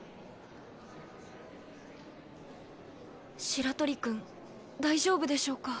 白鳥くん大丈夫でしょうか？